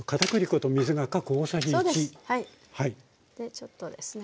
ちょっとですね